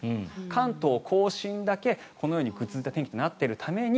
関東・甲信だけこのようにぐずついた天気になっているために